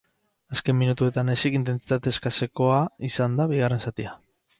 Azken minutuetan ezik intentsitate eskasekoa izan da bigarren zatia.